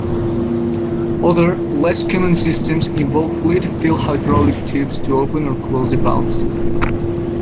Other, less-common systems involve fluid-filled hydraulic tubes to open or close the valves.